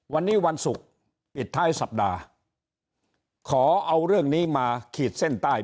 วันนี้วันศุกร์ปิดท้ายสัปดาห์ขอเอาเรื่องนี้มาขีดเส้นใต้